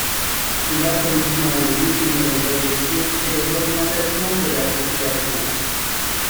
Il a pour mission de définir les objectifs et les orientations de l'Association.